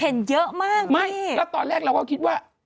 เห็นเยอะมากไม่แล้วตอนแรกเราก็คิดว่า